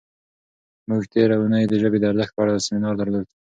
موږ تېره اونۍ د ژبې د ارزښت په اړه سیمینار درلود.